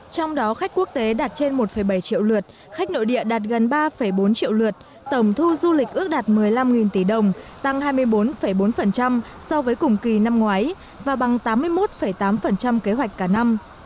trong đó khách quốc tế đạt trên một bảy triệu lượt khách nội địa đạt gần ba bốn triệu lượt tổng thu du lịch ước đạt một mươi năm tỷ đồng tăng hai mươi bốn bốn so với cùng kỳ năm ngoái và bằng tám mươi một tám kế hoạch cả năm